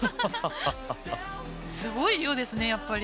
すごい量ですねやっぱり。